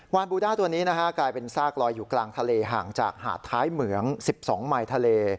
บูด้าตัวนี้กลายเป็นซากลอยอยู่กลางทะเลห่างจากหาดท้ายเหมือง๑๒ไมค์ทะเล